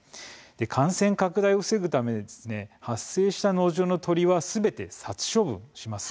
感染拡大を防ぐため発生した農場の鶏はすべて殺処分します。